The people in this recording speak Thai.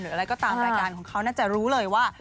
อะไรก็ตามรายการของเขาน่าจะรู้เลยว่า